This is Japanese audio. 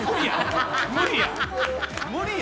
無理や。